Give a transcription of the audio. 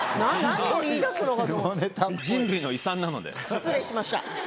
失礼しました。